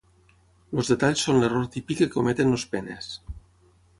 Els detalls són l'error típic que cometen els penes.